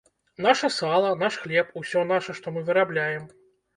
Наша сала, наш хлеб, усё наша, што мы вырабляем.